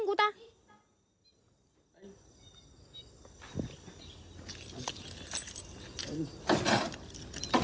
ยิงกูต่ะ